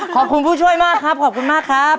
ผู้ช่วยมากครับขอบคุณมากครับ